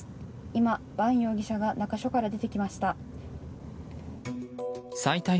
今、伴容疑者が中署から出てきました。